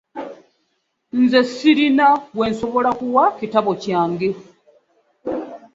Nze sirina gwe nsobola kuwa kitabo kyange.